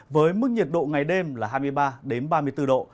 với mức nhiệt độ ngày đêm là hai mươi ba ba mươi bốn độ